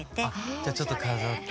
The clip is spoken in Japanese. じゃあちょっと飾って。